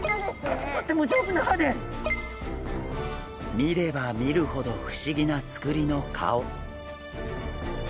見れば見るほど不思議なつくりの顔。